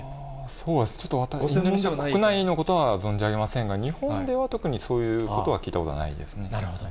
そうですね、ちょっと国内のことは存じ上げませんが、日本では特にそういうことは聞いたことなるほど。